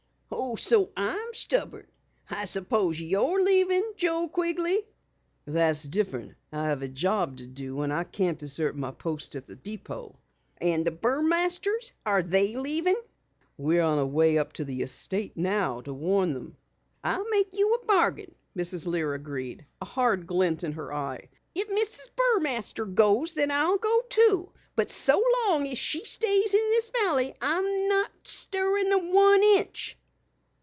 "Oh, so I'm stubborn! I suppose you're leaving, Joe Quigley?" "That's different. I have a job to do and I can't desert my post at the depot." "And the Burmasters? Are they leaving?" "We're on our way up to the estate now to warn them." "I'll make you a bargain," Mrs. Lear agreed, a hard glint in her eye. "If Mrs. Burmaster goes, then I'll go too. But so long as she stays in this valley I'm not stirrin' one inch!"